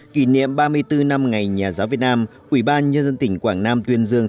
kỷ niệm ba mươi bốn năm ngày nhà giáo việt nam ủy ban nhân dân tỉnh quảng nam tuyên dương